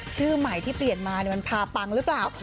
ชื่อใหม่ที่เปลี่ยนมามันพาปังหรือเปล่า